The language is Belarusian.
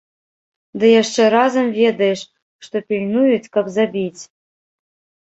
Ды яшчэ разам ведаеш, што пільнуюць, каб забіць.